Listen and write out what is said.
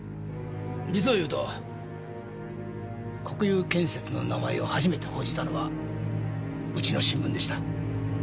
実を言うと国裕建設の名前を初めて報じたのはうちの新聞でした。